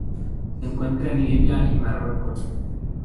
Se encuentra en Libia y Marruecos.